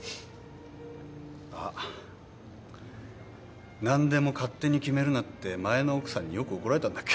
あっ何でも勝手に決めるなって前の奥さんによく怒られたんだっけ。